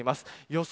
予想